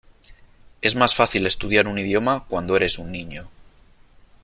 Es más fácil estudiar un idioma cuando eres un niño.